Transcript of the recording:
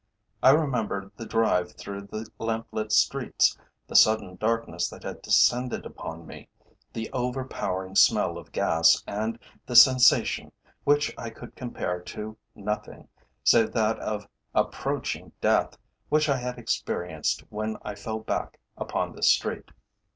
I remembered the drive through the lamp lit streets, the sudden darkness that had descended upon me, the overpowering smell of gas, and the sensation, which I could compare to nothing, save that of approaching death, which I had experienced when I fell back upon the street.